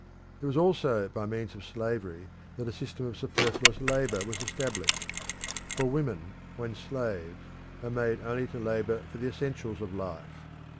It was also by means of slavery that a system of superfluous labour was established; for women, when slaves, are made only to labour for the essentials of life.